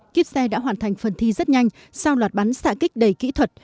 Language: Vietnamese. kiếp xe đã hoàn thành phần thi rất nhanh sau loạt bắn xạ kích đầy kỹ thuật